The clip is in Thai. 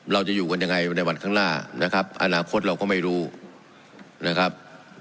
เราจะอยู่กันยังไงในวันข้างหน้านะครับอนาคตเราก็ไม่รู้นะครับ